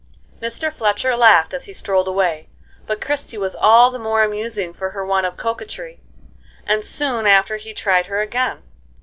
Mr. Fletcher laughed as he strolled away; but Christie was all the more amusing for her want of coquetry, and soon after he tried her again.